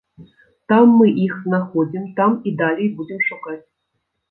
Там мы іх знаходзім, там і далей будзем шукаць.